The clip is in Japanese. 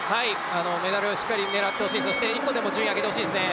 メダルをしっかり狙ってほしい、そして１個でも順位を上げてほしいですね。